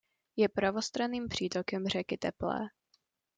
Je pravostranným přítokem řeky Teplé.